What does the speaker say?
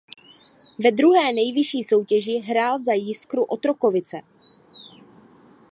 Ve druhé nejvyšší soutěži hrál za Jiskru Otrokovice.